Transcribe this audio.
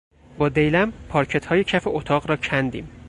با دیلم پارکتهای کف اتاق را کندیم.